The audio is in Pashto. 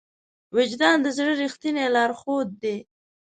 وجدان د زړه ریښتینی لارښود دی.